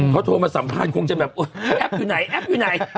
เขาโทรมาสัมภาษณ์คงจะแบบแอปอยู่ไหนแอปอยู่ไหน